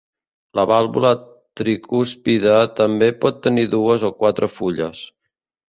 La vàlvula tricúspide també pot tenir dues o quatre fulles.